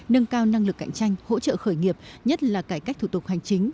nâng cao năng lực cạnh tranh hỗ trợ khởi nghiệp nhất là cải cách thủ tục hành chính